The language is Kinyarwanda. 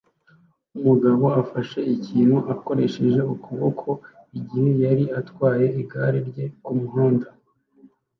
Umugabo afashe ikintu akoresheje ukuboko igihe yari atwaye igare rye kumuhanda